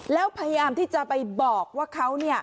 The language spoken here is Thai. แล้วพยายามที่จะไปบอกว่าเขา